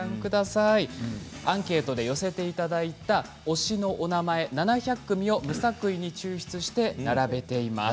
アンケートで寄せていただいた推しのお名前７００組を無作為に抽出して並べています。